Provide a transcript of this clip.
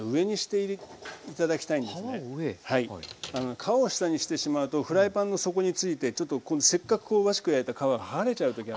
皮を下にしてしまうとフライパンの底についてちょっとせっかく香ばしく焼いた皮が剥がれちゃう時あるんですよ。